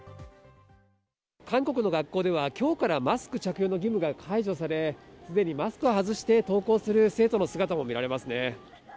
韓国の学校では今日からマスク着用の義務が解除され、すでにマスクを外して登校する生徒の姿も見られますね。